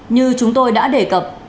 như chúng tôi đã đề cập